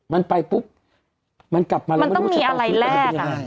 มันไปปุ๊บมันกลับมาแล้วไม่รู้จะต้องใช้เงิน